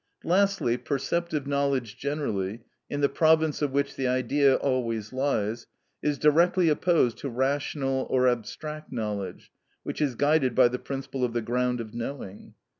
Lastly, perceptive knowledge generally, in the province of which the Idea always lies, is directly opposed to rational or abstract knowledge, which is guided by the principle of the ground of knowing.